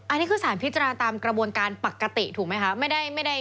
อันนี้คือสารพิจารณาตามกระบวนการปกติถูกไหมคะ